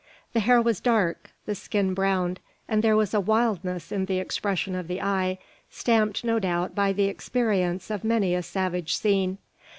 The hair was dark, the skin browned; and there was a wildness in the expression of the eye, stamped, no doubt, by the experience of many a savage scene.